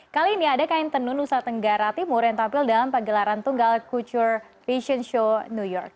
kali ini ada kain tenunusat tenggara timur yang tampil dalam panggilaran tunggal kutur fashion show new york